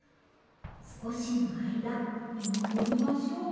すこしのあいだみまもりましょう。